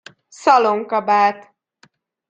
Szalonkabát!